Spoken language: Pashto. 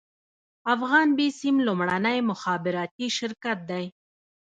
افغان بیسیم لومړنی مخابراتي شرکت دی